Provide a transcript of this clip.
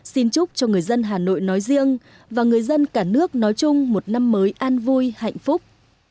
xin chúc cho người dân hà nội nói riêng và người dân cả nước nói chung một năm mới an vui hạnh phúc